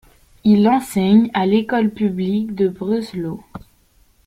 Il enseigne à l'école publique de Breslau.